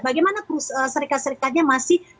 bagaimana serikat serikatnya masih